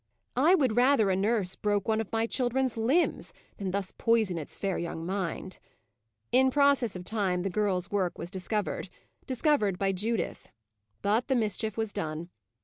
I would rather a nurse broke one of my children's limbs, than thus poison its fair young mind. In process of time the girl's work was discovered discovered by Judith. But the mischief was done.